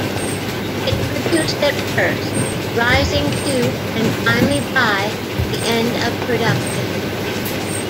It produced at first, rising to and finally by the end of production.